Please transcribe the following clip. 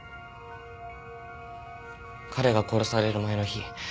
彼が殺される前の日